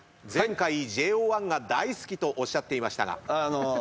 前回ＪＯ１が大好きとおっしゃっていましたが。